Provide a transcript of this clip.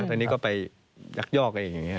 อันนี้ก็ไปยักยอกเอง